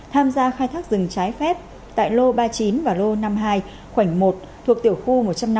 tham gia khai thác rừng trái phép tại lô ba mươi chín và lô năm mươi hai khoảnh một thuộc tiểu khu một trăm năm mươi